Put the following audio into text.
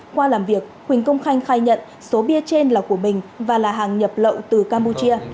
qua làm việc huỳnh công khanh khai nhận số bia trên là của mình và là hàng nhập lậu từ campuchia